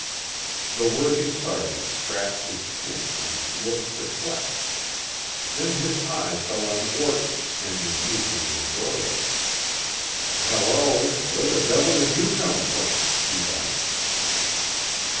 The worthy Sergeant scratched his chin and looked perplexed. Then his eye fell on Orton standing meekly in the doorway. "Hello, where the devil did you come from?" he asked.